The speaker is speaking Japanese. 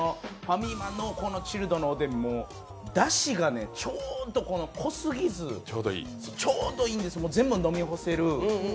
ファミマのチルドのおでん、だしがちょうど濃すぎずちょうどいいんです、全部飲み干せる。